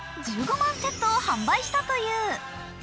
１５万セットを販売したという。